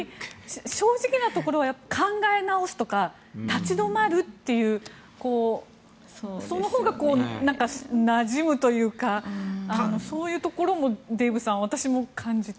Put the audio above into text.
考え直すとか立ち止まるというそのほうがなじむというかそういうところもデーブさん、私も感じて。